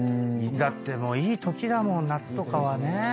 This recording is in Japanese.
だってもういいときだもん夏とかはね。